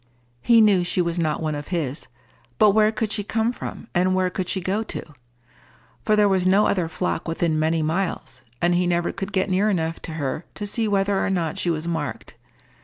He knew she was not one of his; but where could she come from, and where could she go to? For there was no other flock within many miles, and he never could get near enough to her to see whether or not she was marked.